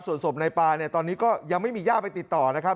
ส่วนศพนายปาเนี่ยตอนนี้ก็ยังไม่มีย่าไปติดต่อนะครับ